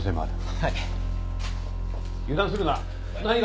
はい。